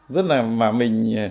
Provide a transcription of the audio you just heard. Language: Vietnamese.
rất là mà mình